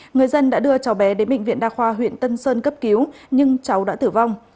người dân đã đưa cháu bé đến bệnh viện đa khoa huyện tân sơn cấp cứu nhưng cháu đã tử vong